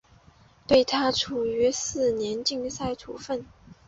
对她处以四年禁赛处分。